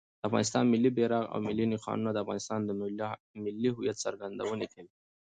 د افغانستان ملي بیرغ او ملي نښانونه د افغانانو د ملي هویت څرګندویي کوي.